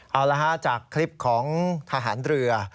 เอาละฮะจากคลิปของทหารเรือ